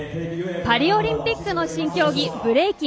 パリオリンピックの新競技ブレイキン。